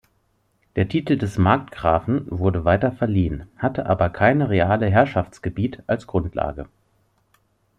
Der Titel des Markgrafen wurde weiter verliehen, hatte aber keine reale Herrschaftsgebiet als Grundlage.